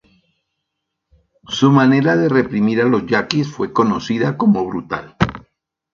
Su manera de reprimir a los yaquis fue conocida como brutal.